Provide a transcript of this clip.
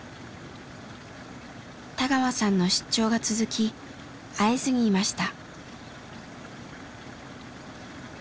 田川さんの出張が続き会えずにいました。